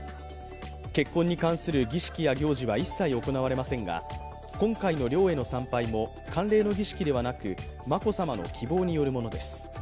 結婚に関する儀式や行事は一切行われませんが、今回の陵への参拝も慣例の儀式ではなく眞子さまの希望によるものです。